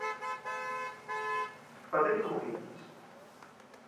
Facede como queirades.